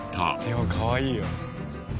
でもかわいいよ。